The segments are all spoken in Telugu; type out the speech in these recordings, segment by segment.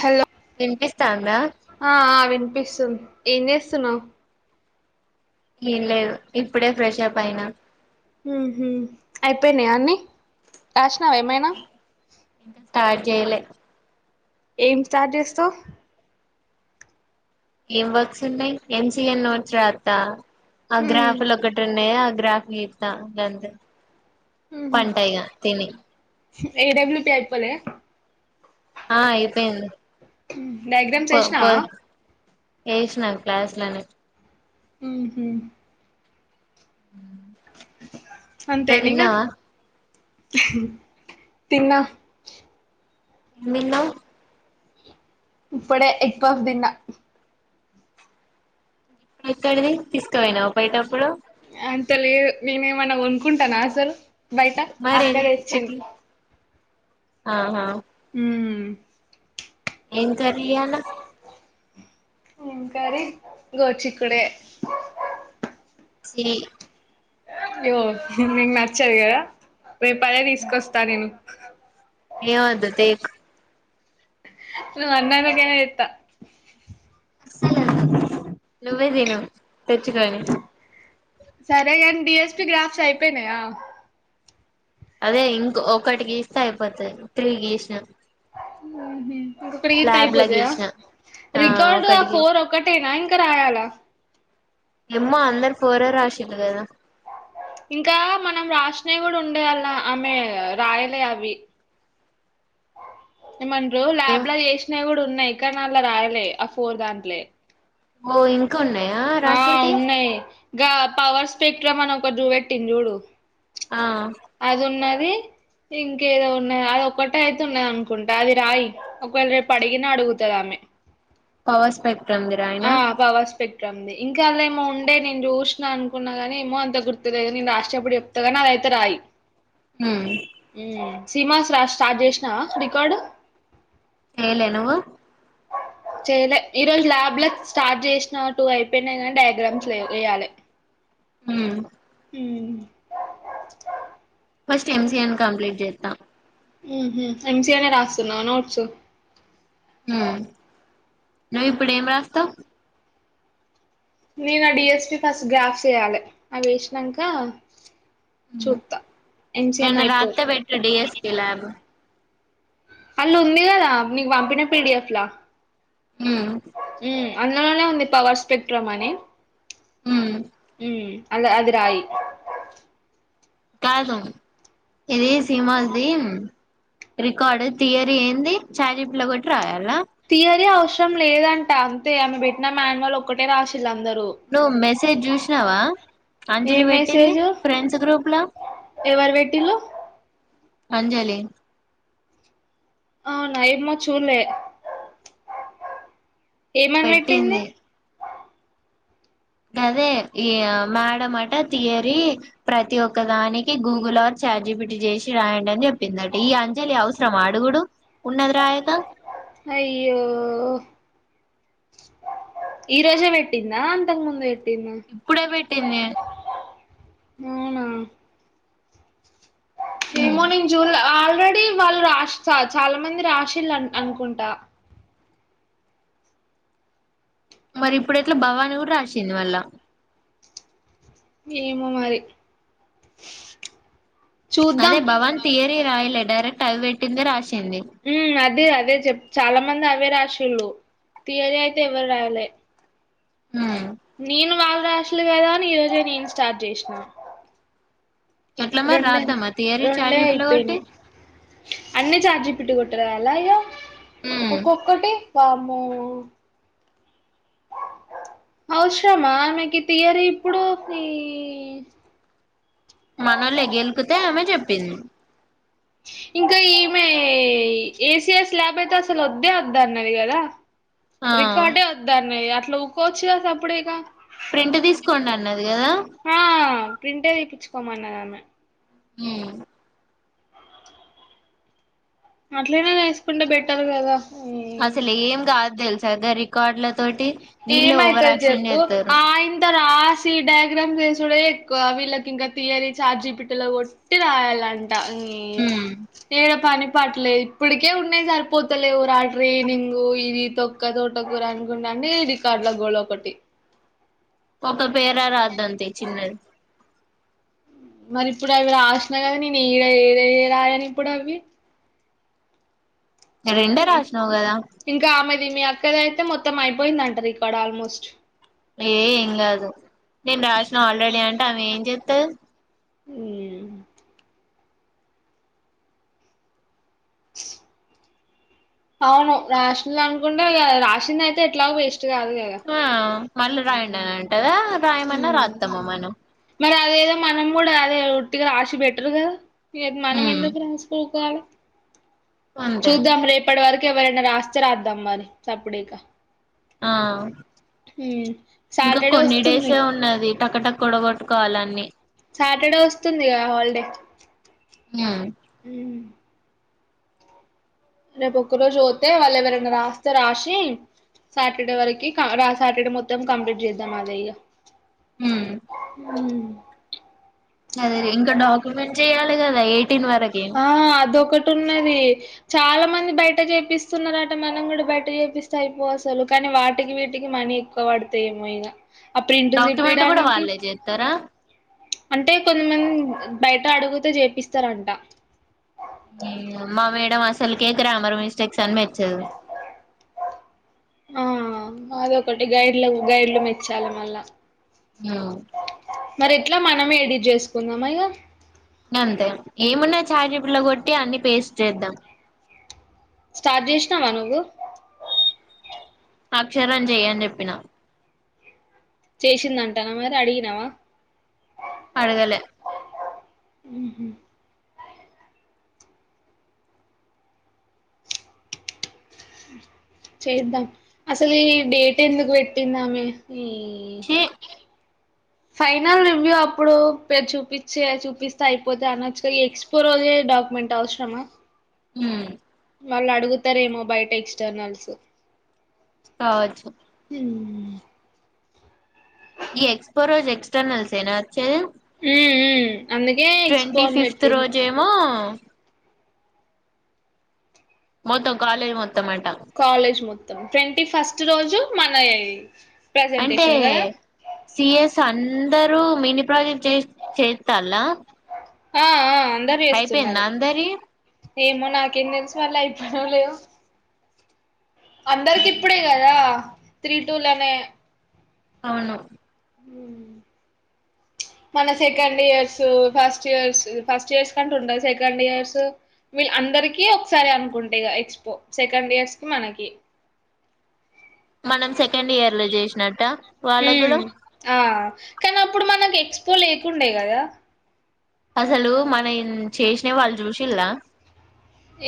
హలో వినిపిస్తాందా ఆ ఆ వినిపిస్తుంది. ఏం చేస్తున్నావ్? ఏం లేదు ఇప్పుడే ఫ్రెషప్ అయినా. ఉహ్ హు అయిపోయినాయ అన్ని. రాసినావ ఏమైనా టార్ట్ జెయ్లే ఏం స్టార్ట్ చేస్తావ్ ఏం వర్క్స్ ఉన్నాయి. ఎం. జి. ఎల్ నోట్స్ రాత్తా ఆ ఉమ్ గ్రాఫులు ఒకటి ఉన్నాయా. ఆ గ్రాఫ్ గీత్త గంతే పంట ఇగా తిని రే. డబ్ల్యూ. పి అయిపోలే? ఆ అయిపోయింది. డయాగ్రామ్స్ కొ కొ వేసినావా ఏష్నా క్లాస్లనే ఉహ్ హూ నువ్వు అంతేనిగా తిన్నావా తిన్న ఎందీన్నావ్ ఇప్పుడే ఎగ్ఫఫ్ దిన్న ఎక్కడిది తీసుకవైనా పోయ్టప్పుడు? అంతలేదు. నేనేమన్నా కొనుక్కుంటనా. అసలు బయట మరి అక్క ఎట్ల తెచ్చింది. ఆహా మ్మ్ ఏం కర్రియాల ఏం కర్రీ గోడ్చికూడ్గాయ్. చీ యో నిక్ నచ్చదు గదా. రేప్ అదే తీసుకొస్తా. నేను ఏమంత దేక్ నువ్వు అన్నందకేనా చేత్త నువ్వే తిను తెచ్చుకొని సరేగాని డిఎస్పి గ్రాఫ్స్ ఐపేనాయా? అదే ఇంక్ ఒకటి గీస్తే అయిపోతది త్రీ గీస్నా ఊహు ఇంకొక్కటి గీత్తే లా అయిపోతయా గీసిన ఆ రికార్డు ఆ ఒకటికి ఫోర్ ఒక్కటేనా ఇం రాయాలా? ఏమ్మొ అందరు ఫోరే రాశిండ్రు గదా? ఇంకా మనం రాసినవి కూడా ఉండే అలా ఆమె రాయలే అవి ఏమంట్రు ల్యాబ్లా చేసినవి కూడా ఉన్నాయ్ కానీ ఆల్ల రాయ్లే ఆ ఫోర్ దాంట్లే ఓ ఇంకా ఉన్నాయా ఆ రాషెటివి? ఉన్నాయి గా పవర్ స్పెక్ట్రమ్ అని ఒకట్ చూబెట్టింది జూడు ఆ ఏ ఇంకేదో ఉన్నా అది ఒకటే అయితే ఉన్నది అనుకుంటా అది రాయి ఒకవేళ రేపు అడిగిన అడుగుతది ఆమె పవర్ స్పెక్ట్రమ్ ది రాయ్నా? ఉంది ఇంకా ఏమో ఉండే నేను చూస్నా అన్కున్నా కానీ ఏమో అంత గుర్తులేదు నేను రాసేటప్పుడు చెప్తాగాని అదైతే రాయి హ్మ్ హ్మ్. సీమాస్ రాజ్ స్టార్ట్ చేసినావా రికార్డు చేయ్లే నువ్వు అ చేయ్లే ఈరోజు ల్యాబ్ల స్టార్ట్ చేసినా టూ ఐపోయ్నా కానీ డయాగ్రామ్స్ లేవ్ వెయ్యాలె హుమ్ ఉమ్ ఫస్ట్ ఎంసీఎన్ కంప్లీట్ చేత్తా. మ్ హు ఎంసీయేనే రాస్తున్నావా నోట్స్ ఉ. నువ్వు ఇప్పుడు ఏం రాస్తావ్? నేను ఆ డిఎస్పి ఫస్ట్ గ్రాఫ్స్ వెయ్యాలె అవి వేస్నంకా హ్మ్ చూత్తా ఎంసిన్ ఏమన్నా ఐపో రాత్తే పెట్టు డిఎస్పి ల్యాబ్ అల్లు ఉంది కదా నీకు పంపిన పీడిఎఫ్లా ఉమ్ మ్ అందులోనే ఉంది పవర్ స్పెక్ట్రమ్ అని హ్మ్ ఉమ్ అలె అది రాయి కాదు ఇది సీమద్దీన్ రికార్డ్ థియరీ ఏంది చాట్జీప్ లో కొట్టి రాయాలా? థియరీ అవసరం లేదంట అంతే ఆమె పెట్టిన మ్యాన్యువల్ ఒక్కటే రాసిల్లా నువ్వు మెసేజ్ జూసినావా ఏ అంజలి పెట్టింది మెసేజ్ ఫ్రెండ్స్ గ్రూప్లా ఎవరు పెట్టిల్లు అంజలి ఆ నైడ్మా చూల్లే ఏమనిపెట్టింది? పెట్టింది అదే ఈ మేడం అట థియరీ ప్రతి ఒక్కదానికి గూగుల్ ఆర్ జె చాట్జీపిటి జేసి రాయండి అని చెప్పిందట ఈ అంజలి అవసరమా అడుగుడు ఉన్నది రాయక అయ్యో ఈ రోజే పెట్టిందా అంతకు ముందు పెట్ ఇప్పుడే పెట్టింది. అవునా? ఏమో ఉమ్ నేన్ చూడ్లే ఆళ్ ఆల్రెడీ వాళ్ళు రాష్ చాలా మంది రాశిల్లు అనుకుంటా మరి ఇప్పుడు ఎట్లా భవాని గూడా రాసింది మళ్ళ ఏమో మరి చూద్దాం అదే భవాన్ థీయరీ రాయిలే డైరక్ట్ అది పెట్టిందె రాశి మ్మ్ అదే అదే చెప్ చాలా మంది అవే రాసీళ్ళు థీయరీ అయితే ఎవరు రయాలే ఉమ్ నేను వాళ్ళు రాసీలు కదా అని ఈ రోజే నేను స్టార్ట్ జేసిన ఎట్లా మరి రెండే రాద్దామా థియరీ చాట్ రెండే జీపీటీలో కొట్టి అయిపోయినీ అన్నీ చాట్ జి పిటి కొట్టెర ఆళ్ళ య్య ఉమ్ ఒక్కొక్కటి వామ్మో బౌ బౌ అవసరమా ఆమెకి థీయరి ఇప్పుడు ఫి... మనళ్ళీ గేలుకుతే ఆమె చెప్పింది [inaudible] ఇంకా ఈమె ఏసిఎస్ ల్యాబ్ అయితే అస్సలు వద్దే వద్ద అన్నది గదా ఆ రికార్డె వద్దన్నది అట్లా ఊకోవచ్చుగ సప్పుడెక ప్రింట్ తీసుకోండి అన్నది కదా ప్రింట్ ఏ తీపిచ్చుకోమన్నదామే ఉమ్ అట్లనే ఎసుకుంటే బెట్టరు కదా అసలేం గాదు దెలుసా గా రికార్డుల తోటి వీళ్ళే ఓవర్ ఏమైతది యాక్షన్ జెప్పు చేస్తారు ఆయింత రా సి డయాగ్రామ్స్ ఎసుడే ఎక్కువ వీళ్ళకి ఇంక థీయరి చాట్ జి పిటి రో కొట్టి రాయాల ట నీ ఉమ్ ఏడ పని పాటలే ఇప్పటికే ఉన్నాయి సరిపోతలేవు రా ట్రైనింగు ఇది తొక్క తోట కూర అనుకుంటా అంటే ఈ రికార్డుల గోళ ఒకటి ఒక పెరా రాద్దాం తీ చిన్నది మరి ఇప్పుడు అవి రాసిన కదా నేను ఈడ ఏడ రాయలి ఇప్పుడు అవి రెండే రాసినావు కదా ఇంకా ఆమె ది మీ అక్కది అయితే మొత్తం అయిపోయిదంట రికార్డు ఆల్మోస్ట్ ఏ ఏం గాదు నేను రాసినా ఆల్రెడీ అంటే ఏం జేత్తది ఉమ్ అవును రాసిలు అనుకుంటే రాసిందయితే ఎట్లాగ వేస్ ఆ మళ్ళీ రాయండని అంటదా రాయమన్నా రాత్తమ మనం మరి అదేదో మనం గూడా అదే ఒట్టిగా రాసి బెటర్ కద మనం ఉమ్ ఎందుకు రాసుకో కాలె అంతే చూద్దాం రేపటి వరకు ఎవరైనా రాసి రాద్దాం మరి చప్పుడేకా ఆ ఇంకా సాటర్డే కొన్ని వస్తుంది డేసే ఉన్నది టక్కటక్ కొడగొట్టుకోవాలన్ని సాటర్డే వస్తుంది గా హాలిడే ఉమ్ మ్ రేపు ఒక్క రోజు ఓతే వాళ్ళు ఎవరైనా రాస్తే రాసి సాటర్డే వరకి సాటర్డే మొత్తం కంప్లీట్ చేద్దాం మాదయ్య ఉమ్ అదేేరే ఇంకా డాక్యుమెంట్ జెయాలి కదా ఎయిటీన్ వరకే టున్నది చాలా మంది బయట చేపిస్తున్నారు అట మనం కూడా బయట చేపిస్త అయిపో అసలు కానీ వాటికి వీటికి మనీ ఎక్కువ వడతాయ ఏమో ఇగ ఆ ప్రింట్ డాక్యుమెంట్ కూడా దీపీడానికి వాళ్ళే చేస్తారా అంటే కొంతమంది బయట అడుగుతే జేపిస్తారంట మా మేడం అసలకే గ్రామర్ మిస్టేక్స్ అని మెచ్చదు ఆ అదొకటి గైడ్ల గైడ్లు మెచ్చాలి మళ్ళా హౌ మరి ఎట్లా మనమే ఎడిట్ చేసుకుందాం ఇగ అంతే ఏముంది చాట్ జిబి లో కొట్టి అన్ని పేస్ట్ చేద్దాం స్టార్ట్ చేసినావా నువ్వు అక్షర ను చెయ్య అని చెప్పిన చేసిందంటానా మరి అడిగినావా అడగలే ఉ హు చేద్దాం అసలు ఈ డేట్ ఎందుకు పెట్టింది ఆమె చె నో సౌండ్ ఫైనల్ రివ్యూ అప్పుడు చూపించే చూపిస్తే అయిపోతే అనచ్చు ఎక్స్పో రోజే డాక్యుమెంట్ ఏంట అవసరమా ఉ వాళ్ళు అడుగుతారేమో బయట ఎక్స్టర్నల్స్ కవచ్చ ఉ ఈ ఎక్స్పో రోజ్ ఎక్స్టర్నల్స్ ఏనా మ్మ్ అందుకే ఎక్స్పో ట్వంటీ అని ఫిఫ్త్ పెట్టింది రోజేమో మొత్తం కాలేజీ మొత్తం అట కాలేజ్ మొత్తం ట్వంటీ ఫస్ట్ రోజు మన అంటే ప్రజెంటేషన్ కదా సిఎస్ అందరూ మినీ ప్రాజెక్ట్ చే చేస్తాల ఆ ఆ అందరూ అయిపోయిందా చెస్తున్నారు అందరి ఏమో నాకేం తెలుసు వాళ్ళవి అయిపోనలేవు అందరికి ఇప్పుడే కదా త్రీ టూ నే అవును ఉ మన second years first years first years కంటూ ఉండ సెకండ్ ఇయర్స్ వీళ్ళ అందరి ఒకసారి అనుకుంటే ఎక్స్పో సెకండ్ ఇయర్స్ కి మనకి మనం సెకండ్ ఇయర్ లో చేసినట్ట వాళ్ళ కూడా హ్మ్ ఆ కానీ అప్పుడు మనకు ఎక్స్పో లేకుండే కదా అసలు మనం చేసిన వాళ్ళు చూసిల్లా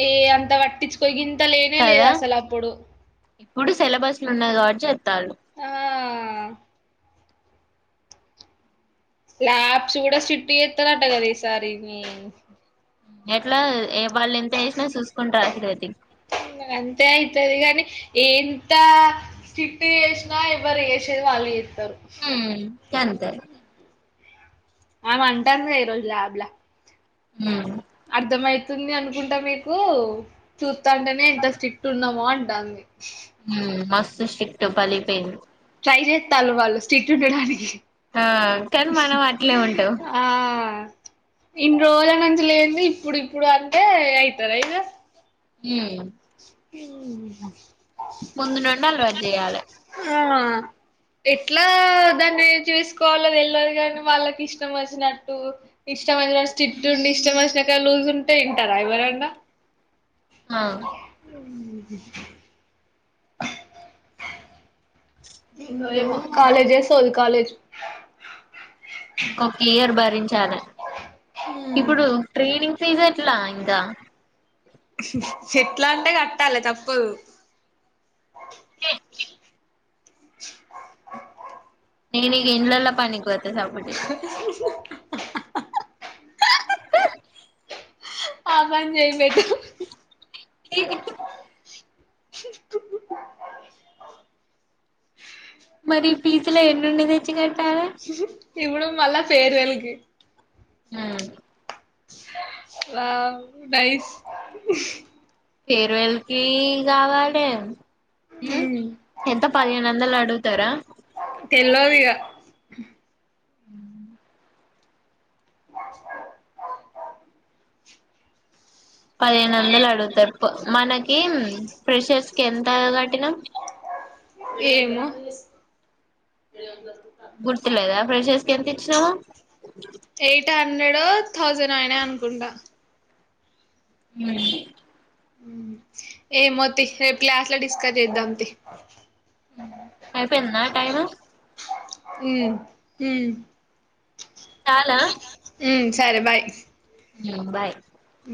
ఏ అంత పట్టించుకో ఇంత లేనే లేదు కదా అసలు అప్పుడు ఇప్పుడు సిలబస్ లు ఉన్నది కాబట్టి చెస్తరు ఆ ల్యాబ్స్ కూడా స్రిక్ట్ చేతరాటగ ఈసారి నీ ఎట్లా ఏ వాళ్ళు ఎంత వేసినా చూసుకుంటా రాసుడే తీ సరే గానీ ఎంత స్రిక్ట్ చేసినా ఎవరు వేసేది వాళ్ళు చెత్ అత్తరు హ్మ్ గంతే ఆమె అంటందిగా ఈ రోజు ల్యాబ్ లా హ్మ్ అర్ధమై వస్తుంది అనుకుంటా మీకు చూస్తుంటేనే ఎంత స్ట్రిక్ట్ ఉన్నామో అంటాంది మస్తు స్టిక్ట్ పగిలిపోయింది ట్రేయ్ చెత్తల్లు వాళ్ళు స్టిక్ ఉండడానికి ఆ కానీ మనం అట్లే ఉంటాం ఆ ఇన్ని రోజుల నుంచి లేంది ఇప్పుడు ఇప్పుడు అంటే అయితారయిగా ఉ ఉ ముంద నుండి అలవాటు చేయాలే ఏమో ఎట్లా దాన్ని చూసుకోవాలో తెల్వదుకాని వాళ్ళకి ఇష్టం వచ్చినట్టు, ఇష్టమచ్చిన స్టిట్ ఉండి ఇష్టం వచ్చినాక లూజ్ ఉంటే ఇంటారా ఎవరన్నా, ఆ ఉహు ఎందొఎమో వీళ్ళు కాలేజే చేస్తది కాలేజ్ ఇంక్కొక్క ఇయర్ భరించాలె ఇప్పుడు ట్రీన్ ఇనింగ్ ఫీజ్ ఎట్లా ఇంకా ఎట్లా అంటే కట్టాలి తప్పదు, [unintelligible] నేనిగా ఇండ్లల్లా పనికి పోత సప్పిడిజెక [unintelligible] ఆ పనిచేయి లేకు ఎప్పుడ్ [unintelligible] మరి పిజులు ఎనుండి తెచ్చి కట్టాలి. ఇప్పుడు మళ్ళ ఫేర్వేల్ కి ఊ వావ్ నైస్ పెరవెల్కి కావలే ము మ్ ఎంత పదిహేను వందలు అడుగుతారా, తెల్వదిగా ఉ [unintelligible] పదిహేను వందలు అడుగుతరు మనకి ప్రెషర్స్ కి ఎంత కట్టినం ఏమో ప్రెషేస్కి ఎంత ఇచ్చినము, ఎ హండ్రెడ్ థౌజండ్ అయినా అనుకుంటా, ఉ ఏమోతి రేపు క్లాస్ లో డిస్కస్ చేద్దాంతీ, అయిపోయిందా టైమ్ ఉ ఉ చాలా సరే బాయ్ బాయ్ ఉ